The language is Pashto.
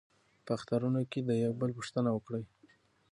په اخترونو کې د یو بل پوښتنه وکړئ.